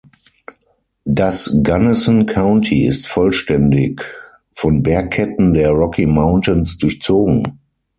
Das Gunnison County ist vollständig von Bergketten der Rocky Mountains durchzogen.